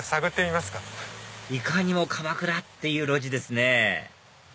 いかにも鎌倉！っていう路地ですね